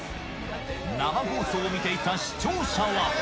生放送を見ていた視聴者は。